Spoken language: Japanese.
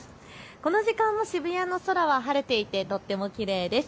この時間の渋谷の空は晴れていてとってもきれいです。